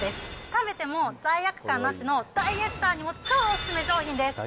食べても罪悪感なしの、ダイエッターにも超お勧め商品です。